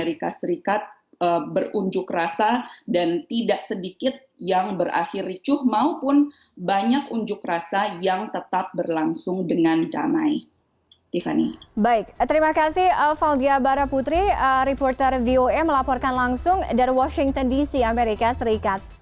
itu adalah video yang diambil di sosial media yang memberikan informasi bahwa masa tidak pernah terjadi